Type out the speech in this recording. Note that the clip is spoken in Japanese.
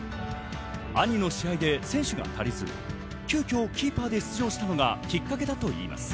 兄の試合で選手が足りず急きょキーパーで出場したのがきっかけだといいます。